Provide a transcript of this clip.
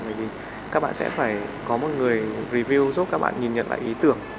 bởi vì các bạn sẽ phải có một người review giúp các bạn nhìn nhận lại ý tưởng